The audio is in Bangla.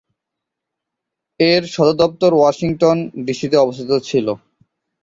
এর সদরদপ্তর ওয়াশিংটন ডিসিতে অবস্থিত ছিল।